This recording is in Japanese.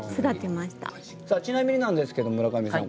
さあちなみになんですけど村上さん